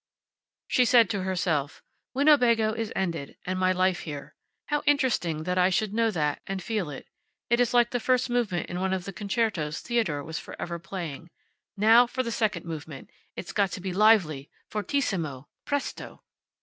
She said to herself: "Winnebago is ended, and my life here. How interesting that I should know that, and feel it. It is like the first movement in one of the concertos Theodore was forever playing. Now for the second movement! It's got to be lively. Fortissimo! Presto!"